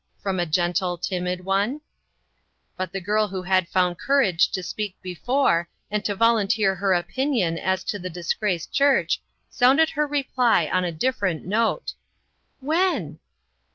from a gentle timid one. "But the girl who had found courage to speak before, and to volunteer her opinion as to the disgraced church, sounded her reply on a different note: "When?"